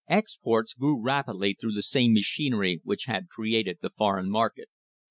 Exports grew rapidly through the same machinery which had created the foreign market.